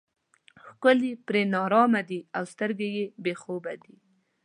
ښکلي پر نارامه دي او سترګې مې بې خوبه دي.